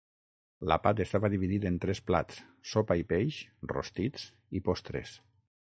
L'àpat estava dividit en tres plats: sopa i peix, rostits i postres.